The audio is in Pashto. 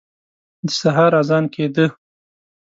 د سهار اذان کېده.